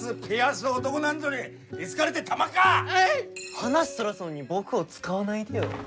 話そらすのに僕を使わないでよ。